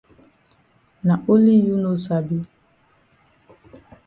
Na only you no sabi.